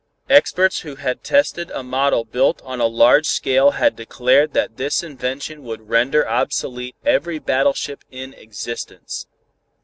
Experts who had tested a model built on a large scale had declared that this invention would render obsolete every battleship in existence.